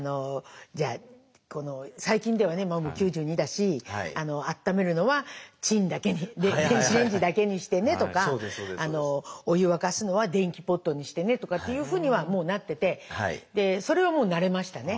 じゃあ最近ではもう９２だしあっためるのは「チン」だけに電子レンジだけにしてねとかお湯沸かすのは電気ポットにしてねとかっていうふうにはもうなっててそれはもう慣れましたね。